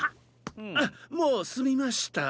あもうすみました。